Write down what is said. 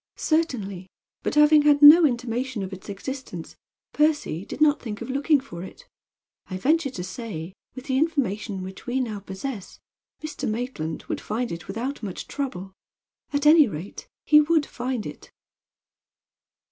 "Certainly; but having had no intimation of its existence Percy did not think of looking for it. I venture to say, with the information which we now possess, Mr. Maitland would find it without much trouble. At any rate he would find it."